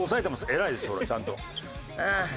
偉いですそれちゃんと。